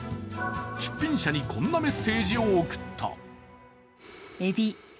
出品者にこんなメッセージを送った。